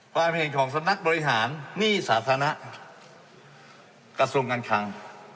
ความเห็นของสำนักบริหารหนี้สาธารณะกระทรวงการคลัง